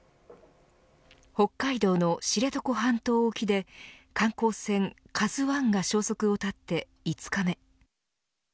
北海道の知床半島沖で観光船ＫＡＺＵ１が消息を絶って５日目。